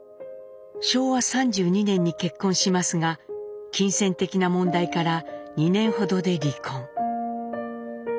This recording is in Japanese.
昭和３２年に結婚しますが金銭的な問題から２年ほどで離婚。